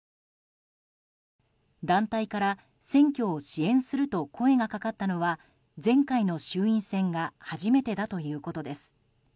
団体から、選挙を支援すると声がかかったのは前回の衆院選が初めてだということです。